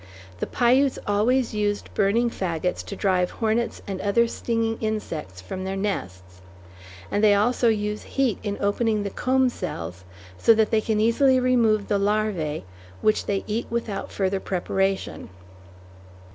The Piutes always use burning fagots to drive hornets and other stinging insects from their nests, and they also use heat in opening the comb cells so that they can easily remove the larvae, which they eat without further preparation.